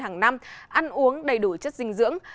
hằng năm ăn uống đầy đủ chất dinh dưỡng